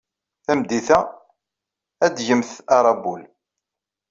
Tameddit-a, ad d-tgemt aṛabul.